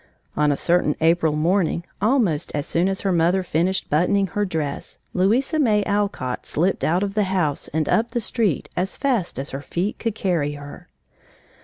On a certain April morning, almost as soon as her mother finished buttoning her dress, Louisa May Alcott slipped out of the house and up the street as fast as her feet could carry her.